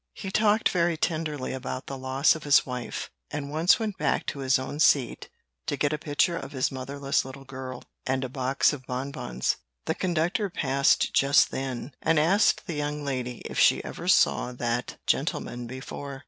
He talked very tenderly about the loss of his wife, and once went back to his own seat to get a picture of his motherless little girl, and a box of bonbons. The conductor passed just then, and asked the young lady if she ever saw that gentleman before.